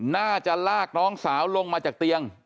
น่าจะลากน้องสาวลงมาจากเตียง